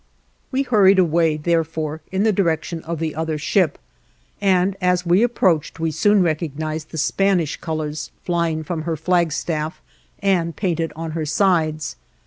We hurried away, therefore, in the direction of the other ship, and as we approached we soon recognized the Spanish colors flying from her flagstaff and painted on her sides.